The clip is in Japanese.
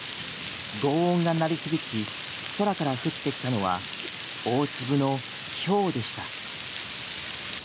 ごう音が鳴り響き空から降ってきたのは大粒のひょうでした。